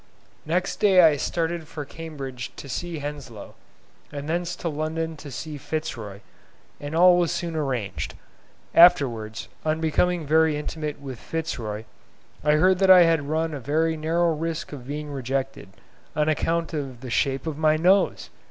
Next day I started for Cambridge to see Henslow, and thence to London to see Fitz Roy, and all was soon arranged. Afterwards, on becoming very intimate with Fitz Roy, I heard that I had run a very narrow risk of being rejected, on account of the shape of my nose!